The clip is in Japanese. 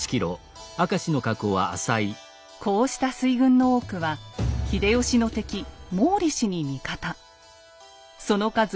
こうした水軍の多くは秀吉の敵毛利氏に味方。